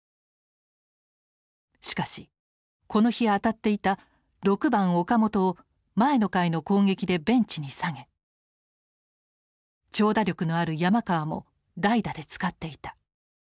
しかしこの日当たっていた６番岡本を前の回の攻撃でベンチに下げ長打力のある山川も代打で使っていた。